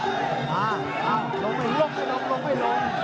ลงไม่ลงลงไม่ลง